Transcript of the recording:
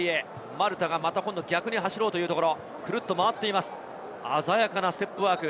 マルタがまた逆に走ろうというところ、ぐるっと回っています、鮮やかなステップワーク。